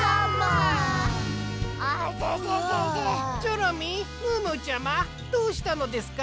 チョロミームームーちゃまどうしたのですか？